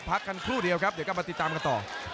พักกันครู่เดียวครับเดี๋ยวกลับมาติดตามกันต่อ